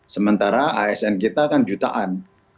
sementara asn kita kan jutaan